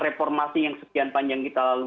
reformasi yang sekian panjang kita lalui